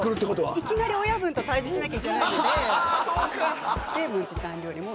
いきなり親分と対じしなきゃいけないので。